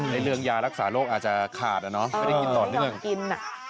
ในเรื่องยารักษาโรคอาจจะขาดนะไม่ได้กินต่อด้วย